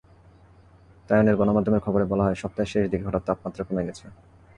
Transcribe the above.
তাইওয়ানের গণমাধ্যমের খবরে বলা হয়, সপ্তাহের শেষ দিকে হঠাৎ তাপমাত্রা কমে গেছে।